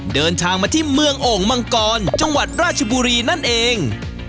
เดินทางมาที่เมืองโอ่งมังกรจังหวัดราชบุรีนั่นเอง